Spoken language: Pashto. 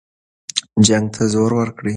جنګ ته زور ورکړه.